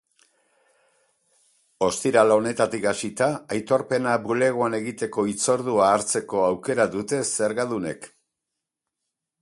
Ostiral honetatik hasita, aitorpena bulegoan egiteko hitzordua hartzeko aukera dute zergadunek.